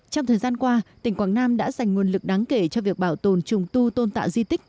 trong thời gian qua tỉnh quảng nam đã dành nguồn lực đáng kể cho việc bảo tồn trùng tu tôn tạo di tích